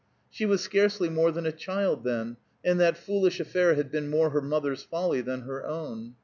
She was scarcely more than a child, then, and that foolish affair had been more her mother's folly than her own.